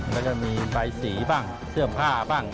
แล้วก็จะมีใบศีลบ้างเจือผ้าบ้าง